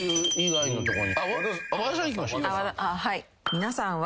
皆さんは。